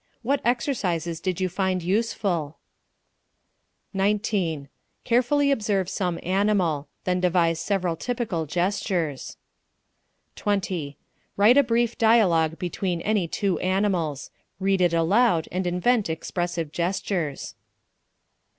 What exercises did you find useful? 19. Carefully observe some animal; then devise several typical gestures. 20. Write a brief dialogue between any two animals; read it aloud and invent expressive gestures.